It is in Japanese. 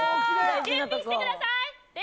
準備してください。